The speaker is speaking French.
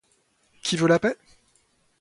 Qui veut la paix?